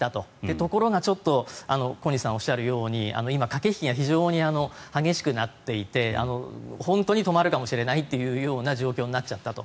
ところが小西さんがおっしゃるように今、駆け引きが非常に激しくなっていて本当に止まるかもしれないという状況になっちゃったと。